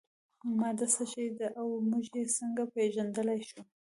ماده څه شی ده او موږ یې څنګه پیژندلی شو